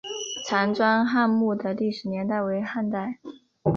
常庄汉墓的历史年代为汉代。